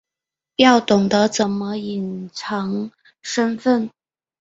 要懂得怎么隐藏身份